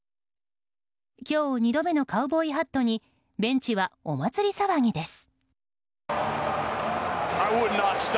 今日２度目のカウボーイハットにベンチはお祭り騒ぎです。